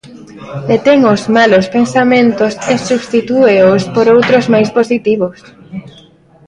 Detén os "malos pensamentos" e "substitúeos por outros máis positivos".